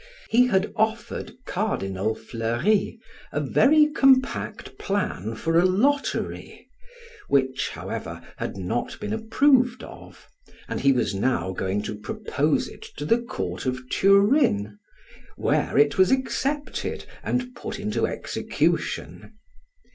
He had offered Cardinal Fleury a very compact plan for a lottery, which, however, had not been approved of, and he was now going to propose it to the court of Turin, where it was accepted and put into execution.